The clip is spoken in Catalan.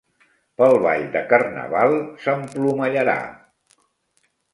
Pel ball de carnaval s'emplomallarà.